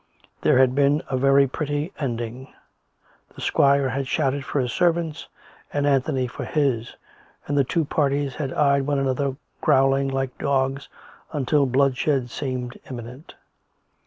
There had been a very pretty ending: the squire had shouted for his servants and Anthony for his, and the two parties had eyed one another, growling like dogs, until bloodshed seemed imminent.